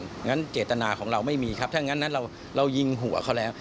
งั้นเจตนาของเราไม่มีครับถ้างั้นเรายิงหัวเขาแล้ว